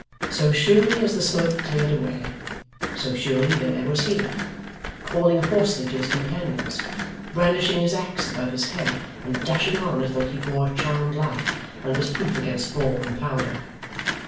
So surely as the smoke cleared away, so surely there was he; calling hoarsely to his companions, brandishing his axe above his head, and dashing on as though he bore a charmed life, and was proof against ball and powder.